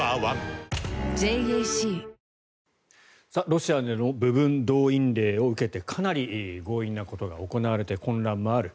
ロシアでの部分動員令を受けてかなり強引なことが行われて混乱もある。